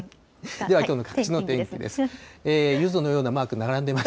ではきょうの各地の天気です。